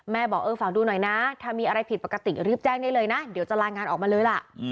บอกเออฝากดูหน่อยนะถ้ามีอะไรผิดปกติรีบแจ้งได้เลยนะเดี๋ยวจะรายงานออกมาเลยล่ะ